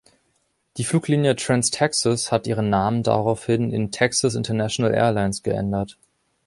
Die Fluglinie Trans-Texas hat ihren Namen daraufhin in Texas International Airlines geändert.